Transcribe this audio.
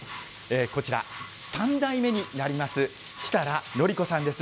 こちら、３代目になります、設楽徳子さんです。